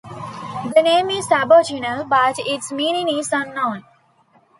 The name is Aboriginal but its meaning is unknown.